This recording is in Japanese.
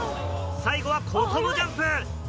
最後はここもジャンプ！